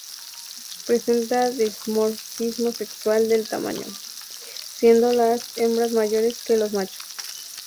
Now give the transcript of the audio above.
Presenta dimorfismo sexual de tamaño, siendo las hembras mayores que los machos.